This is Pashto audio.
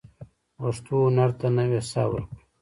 پښتو هنر ته نوې ساه ورکړو.